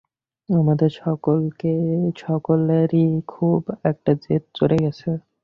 আমাদের সকলেরই খুব একটা জেদ চড়ে গেছে।